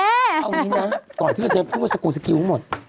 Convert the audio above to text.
เอางี้นะก่อนที่เราจะพูดว่าสกูลสกิลหมด